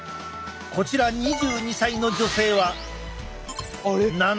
こちら２２歳の女性は７１％。